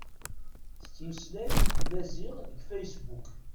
Tettmeslay d Maziɣ deg fasebbuk.